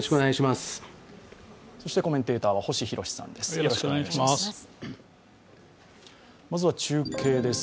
そしてコメンテーターは星浩さんです。